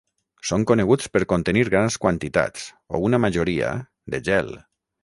Són coneguts per contenir grans quantitats, o una majoria, de gel.